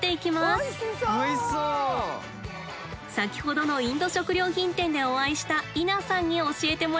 先ほどのインド食料品店でお会いしたイナさんに教えてもらいます。